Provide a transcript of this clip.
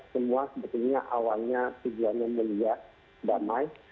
semua sebetulnya awalnya tujuan yang melihat damai